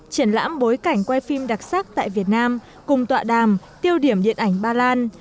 triển lãm bối cảnh quay phim đặc sắc tại việt nam cùng tọa đàm tiêu điểm điện ảnh ba lan